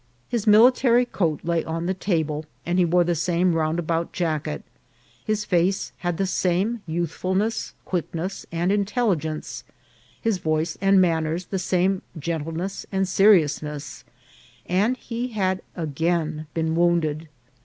His military coat lay on the table, and he wore the same roundabout jacket, his face had the same youthfulness, quickness, and intelligence, his voice and manners the same gen tleness and seriousness, and he had again been wound ed.